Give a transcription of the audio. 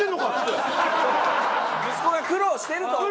息子が苦労してると思って。